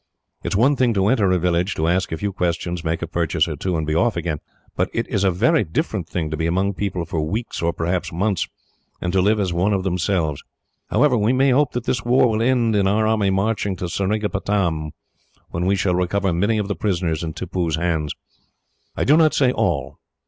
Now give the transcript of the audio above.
It is one thing to enter a village, to ask a few questions, make a purchase or two, and be off again; but it is a very different thing to be among people for weeks, or perhaps months, and to live as one of themselves. However, we may hope that this war will end in our army marching to Seringapatam, when we shall recover many of the prisoners in Tippoo's hands. "I do not say all.